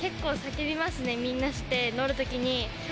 みんなして乗る時に。と！